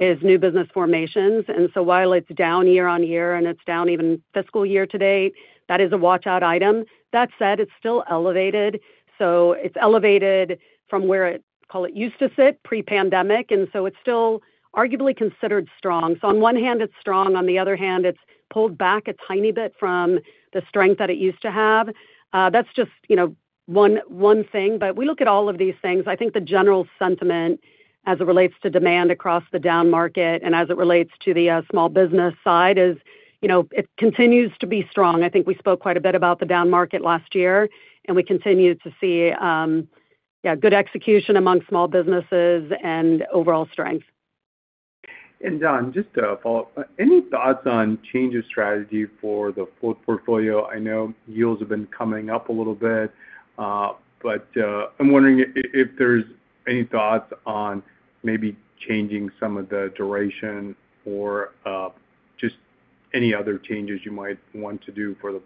is new business formations. And so while it's down year on year and it's down even fiscal year to date, that is a watch-out item. That said, it's still elevated. So it's elevated from where, call it, it used to sit pre-pandemic. And so it's still arguably considered strong. So on one hand, it's strong. On the other hand, it's pulled back a tiny bit from the strength that it used to have. That's just one thing. But we look at all of these things. I think the general sentiment as it relates to demand across the down market and as it relates to the small business side is it continues to be strong. I think we spoke quite a bit about the down market last year, and we continue to see, yeah, good execution among small businesses and overall strength. Don, just a follow-up. Any thoughts on change of strategy for the portfolio? I know yields have been coming up a little bit, but I'm wondering if there's any thoughts on maybe changing some of the duration or just any other changes you might want to do for the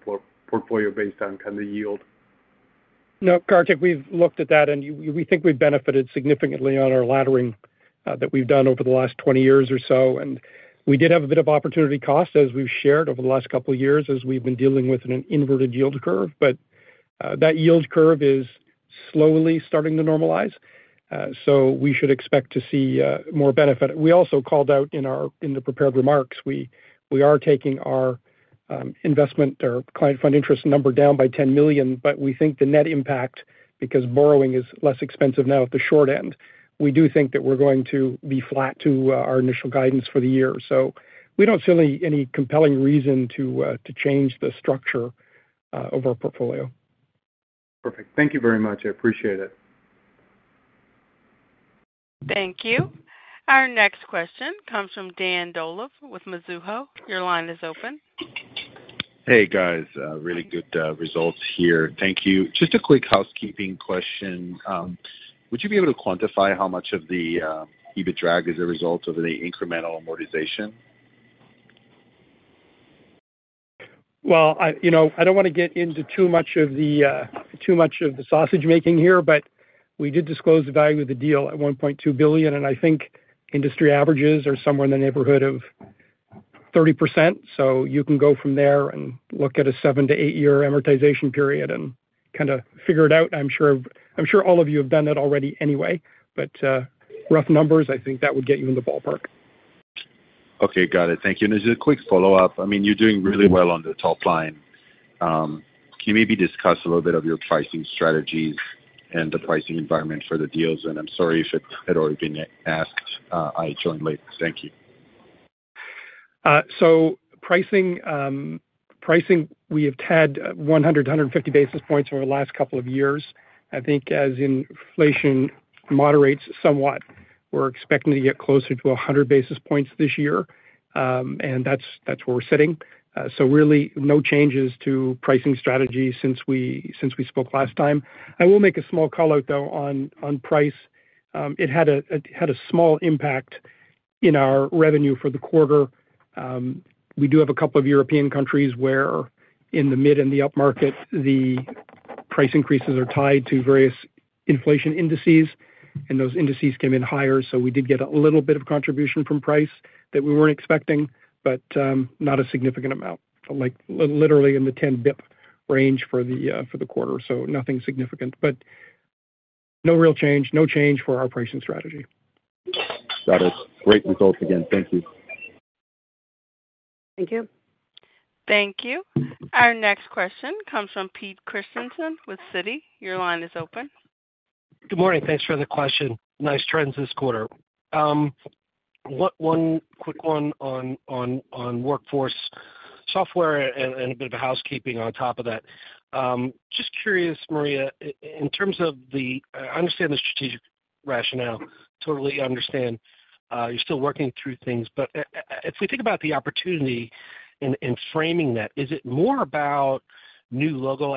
portfolio based on kind of the yield. No, Kartik, we've looked at that, and we think we've benefited significantly on our laddering that we've done over the last 20 years or so. And we did have a bit of opportunity cost, as we've shared over the last couple of years as we've been dealing with an inverted yield curve. But that yield curve is slowly starting to normalize. So we should expect to see more benefit. We also called out in the prepared remarks, we are taking our investment or client fund interest number down by $10 million, but we think the net impact, because borrowing is less expensive now at the short end, we do think that we're going to be flat to our initial guidance for the year. So we don't see any compelling reason to change the structure of our portfolio. Perfect. Thank you very much. I appreciate it. Thank you. Our next question comes from Dan Dolev with Mizuho. Your line is open. Hey, guys. Really good results here. Thank you. Just a quick housekeeping question. Would you be able to quantify how much of the EBITDA drag is a result of the incremental amortization? I don't want to get into too much of the sausage-making here, but we did disclose the value of the deal at $1.2 billion, and I think industry averages are somewhere in the neighborhood of 30%. So you can go from there and look at a seven to eight-year amortization period and kind of figure it out. I'm sure all of you have done that already anyway. But rough numbers, I think that would get you in the ballpark. Okay. Got it. Thank you. And as a quick follow-up, I mean, you're doing really well on the top line. Can you maybe discuss a little bit of your pricing strategies and the pricing environment for the deals? And I'm sorry if it had already been asked. I joined late. Thank you. Pricing, we have had 100-150 basis points over the last couple of years. I think as inflation moderates somewhat, we're expecting to get closer to 100 basis points this year. And that's where we're sitting. Really no changes to pricing strategy since we spoke last time. I will make a small callout, though, on price. It had a small impact in our revenue for the quarter. We do have a couple of European countries where in the mid and the up market, the price increases are tied to various inflation indices, and those indices came in higher. So we did get a little bit of contribution from price that we weren't expecting, but not a significant amount. Literally in the 10 basis points range for the quarter. So nothing significant, but no real change, no change for our pricing strategy. Got it. Great results again. Thank you. Thank you. Thank you. Our next question comes from Pete Christiansen with Citi. Your line is open. Good morning. Thanks for the question. Nice trends this quarter. One quick one on WorkForce Software and a bit of housekeeping on top of that. Just curious, Maria, in terms of the. I understand the strategic rationale. Totally understand. You're still working through things. But if we think about the opportunity in framing that, is it more about new logo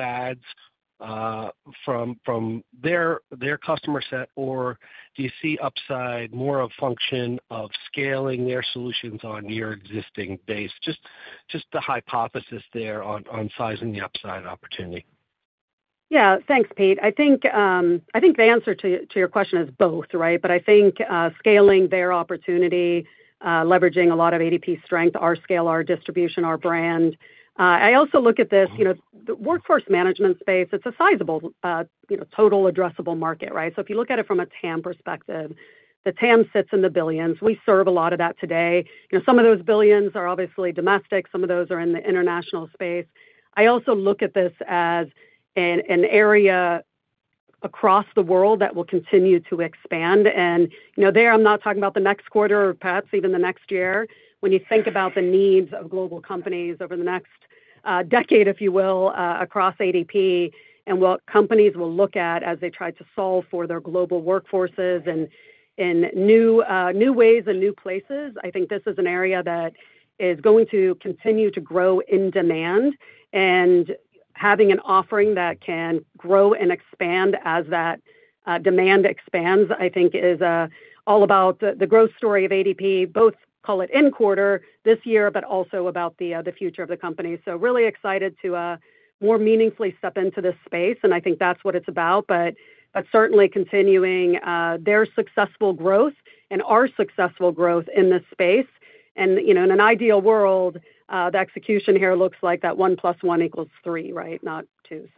adds from their customer set, or do you see upside more a function of scaling their solutions on your existing base? Just the hypothesis there on sizing the upside opportunity. Yeah. Thanks, Pete. I think the answer to your question is both, right? But I think scaling their opportunity, leveraging a lot of ADP strength, our scale, our distribution, our brand. I also look at this, the workforce management space, it's a sizable total addressable market, right? So if you look at it from a TAM perspective, the TAM sits in the billions. We serve a lot of that today. Some of those billions are obviously domestic. Some of those are in the international space. I also look at this as an area across the world that will continue to expand. And there, I'm not talking about the next quarter or perhaps even the next year. When you think about the needs of global companies over the next decade, if you will, across ADP, and what companies will look at as they try to solve for their global workforces in new ways and new places, I think this is an area that is going to continue to grow in demand. And having an offering that can grow and expand as that demand expands, I think, is all about the growth story of ADP, both, call it, in quarter this year, but also about the future of the company. So really excited to more meaningfully step into this space. And I think that's what it's about, but certainly continuing their successful growth and our successful growth in this space. And in an ideal world, the execution here looks like that one plus one equals three, right? Not two,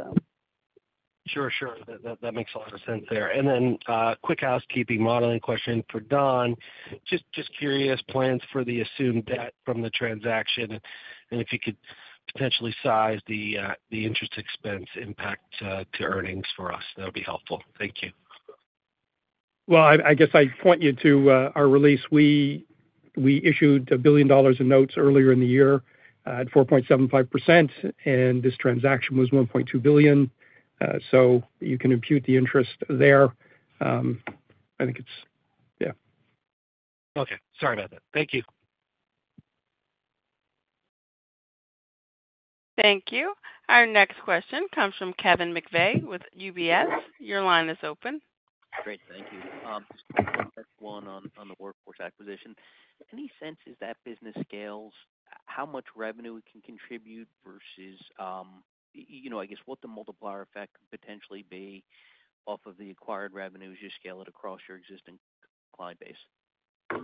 so. Sure, sure. That makes a lot of sense there. And then quick housekeeping modeling question for Don. Just curious, plans for the assumed debt from the transaction, and if you could potentially size the interest expense impact to earnings for us, that would be helpful. Thank you. I guess I point you to our release. We issued $1 billion in notes earlier in the year at 4.75%, and this transaction was $1.2 billion. So you can impute the interest there. I think it's, yeah. Okay. Sorry about that. Thank you. Thank you. Our next question comes from Kevin McVeigh with UBS. Your line is open. Great. Thank you. Just one on the workforce acquisition. Any sense as that business scales, how much revenue it can contribute versus, I guess, what the multiplier effect could potentially be off of the acquired revenue as you scale it across your existing client base?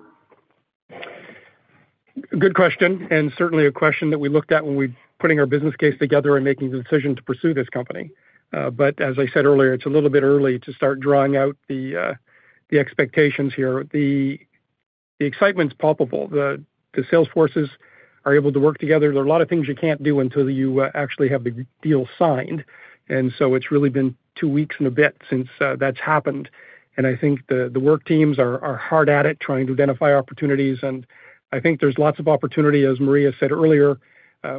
Good question. And certainly a question that we looked at when we were putting our business case together and making the decision to pursue this company. But as I said earlier, it's a little bit early to start drawing out the expectations here. The excitement's palpable. The sales forces are able to work together. There are a lot of things you can't do until you actually have the deal signed. And so it's really been two weeks and a bit since that's happened. And I think the work teams are hard at it trying to identify opportunities. And I think there's lots of opportunity, as Maria said earlier.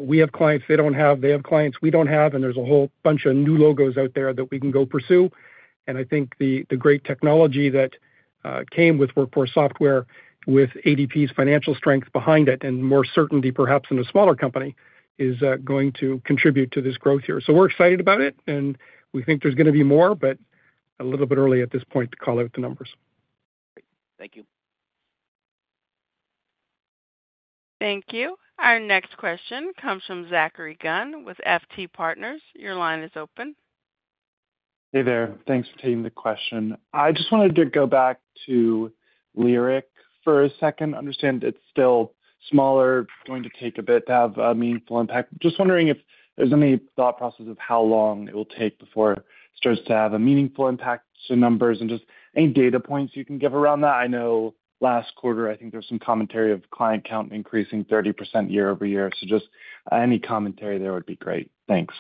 We have clients they don't have. They have clients we don't have. And there's a whole bunch of new logos out there that we can go pursue. I think the great technology that came with WorkForce Software, with ADP's financial strength behind it and more certainty, perhaps in a smaller company, is going to contribute to this growth here. We're excited about it. We think there's going to be more, but a little bit early at this point to call out the numbers. Thank you. Thank you. Our next question comes from Zachary Gunn with FT Partners. Your line is open. ===Hey there. Thanks for taking the question. I just wanted to go back to Lyric for a second. Understand it's still smaller, going to take a bit to have a meaningful impact. Just wondering if there's any thought process of how long it will take before it starts to have a meaningful impact to numbers and just any data points you can give around that. I know last quarter, I think there was some commentary of client count increasing 30% year-over-year. So just any commentary there would be great. Thanks.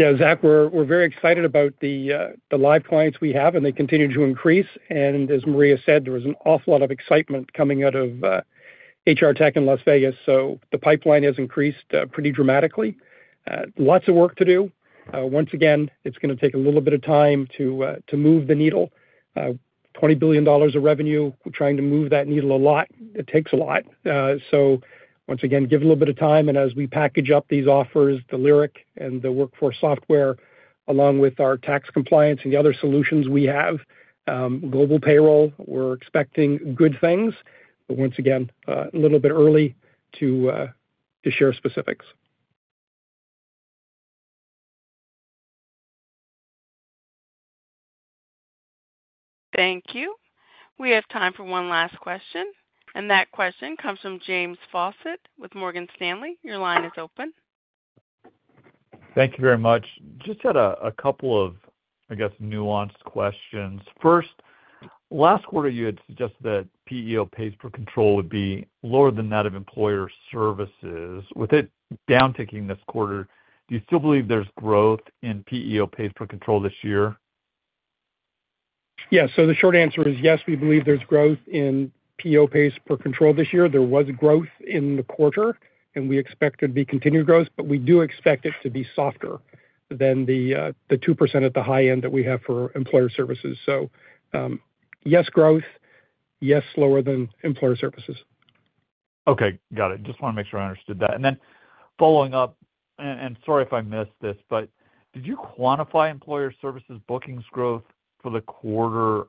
Yeah. Zach, we're very excited about the live clients we have, and they continue to increase. And as Maria said, there was an awful lot of excitement coming out of HR Tech in Las Vegas. So the pipeline has increased pretty dramatically. Lots of work to do. Once again, it's going to take a little bit of time to move the needle. $20 billion of revenue. We're trying to move that needle a lot. It takes a lot. So once again, give it a little bit of time. And as we package up these offers, the Lyric and the WorkForce Software, along with our tax compliance and the other solutions we have, global payroll, we're expecting good things. But once again, a little bit early to share specifics. Thank you. We have time for one last question. And that question comes from James Faucette with Morgan Stanley. Your line is open. Thank you very much. Just had a couple of, I guess, nuanced questions. First, last quarter, you had suggested that PEO pay per control would be lower than that of Employer Services. With it downticking this quarter, do you still believe there's growth in PEO pay per control this year? Yeah. So the short answer is yes, we believe there's growth in PEO pays per control this year. There was growth in the quarter, and we expect there to be continued growth, but we do expect it to be softer than the 2% at the high end that we have for Employer Services. So yes, growth, yes, lower than Employer Services. Okay. Got it. Just want to make sure I understood that. And then following up, and sorry if I missed this, but did you quantify Employer Services bookings growth for the quarter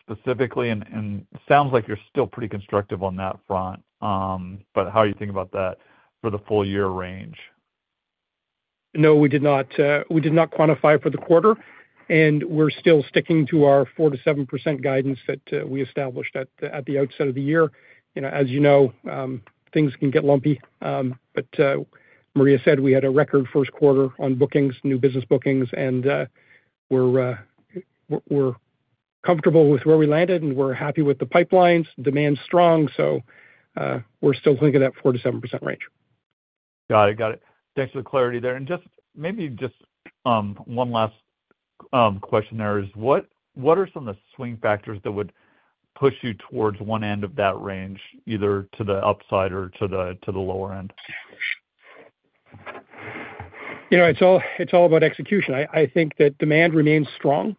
specifically? And it sounds like you're still pretty constructive on that front, but how do you think about that for the full-year range? No, we did not. We did not quantify for the quarter, and we're still sticking to our 4%-7% guidance that we established at the outset of the year. As you know, things can get lumpy. But Maria said we had a record first quarter on bookings, new business bookings, and we're comfortable with where we landed, and we're happy with the pipelines. Demand's strong, so we're still looking at that 4%-7% range. Got it. Got it. Thanks for the clarity there. And just maybe one last question there is, what are some of the swing factors that would push you towards one end of that range, either to the upside or to the lower end? It's all about execution. I think that demand remains strong.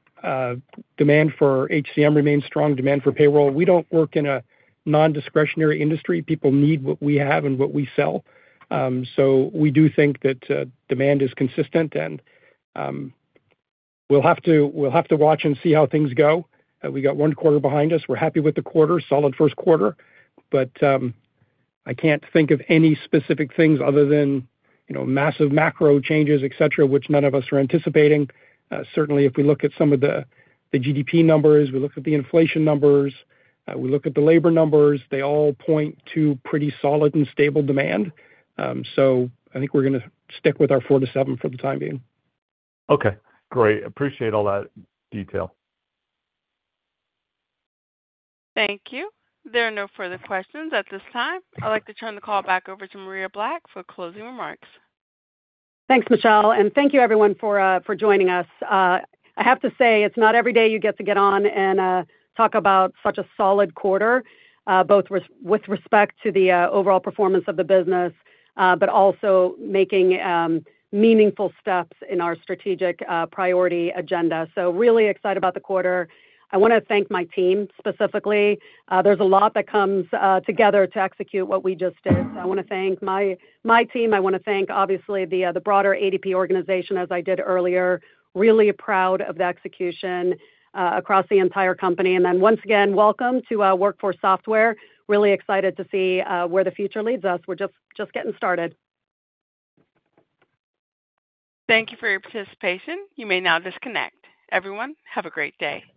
Demand for HCM remains strong. Demand for payroll. We don't work in a non-discretionary industry. People need what we have and what we sell. So we do think that demand is consistent, and we'll have to watch and see how things go. We got one quarter behind us. We're happy with the quarter. Solid first quarter. But I can't think of any specific things other than massive macro changes, etc., which none of us are anticipating. Certainly, if we look at some of the GDP numbers, we look at the inflation numbers, we look at the labor numbers, they all point to pretty solid and stable demand. So I think we're going to stick with our four to seven for the time being. Okay. Great. Appreciate all that detail. Thank you. There are no further questions at this time. I'd like to turn the call back over to Maria Black for closing remarks. Thanks, Michelle. And thank you, everyone, for joining us. I have to say, it's not every day you get to get on and talk about such a solid quarter, both with respect to the overall performance of the business, but also making meaningful steps in our strategic priority agenda. So really excited about the quarter. I want to thank my team specifically. There's a lot that comes together to execute what we just did. So I want to thank my team. I want to thank, obviously, the broader ADP organization, as I did earlier. Really proud of the execution across the entire company. And then once again, welcome to WorkForce Software. Really excited to see where the future leads us. We're just getting started. Thank you for your participation. You may now disconnect. Everyone, have a great day.